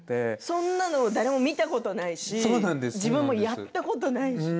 そんなの誰も見たことないし自分もやったことないし。